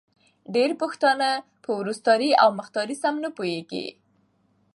ډېری پښتانه په وروستاړې او مختاړې سم نه پوهېږې